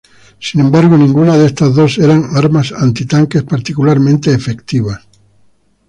Sin embargo, ninguna de estas dos eran armas antitanque particularmente efectivas.